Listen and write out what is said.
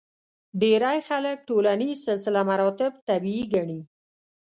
ډېری خلک ټولنیز سلسله مراتب طبیعي ګڼي.